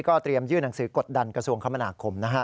เตรียมยื่นหนังสือกดดันกระทรวงคมนาคมนะฮะ